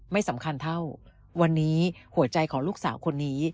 ไม่สำคัญเท่าวันนี้หัวใจของลูกสาวคนนี้